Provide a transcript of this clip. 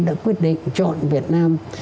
đã quyết định chọn việt nam